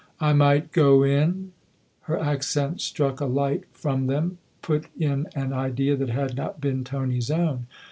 " I might ' go in '?" Her accent struck a light from them, put in an idea that had not been Tony's own.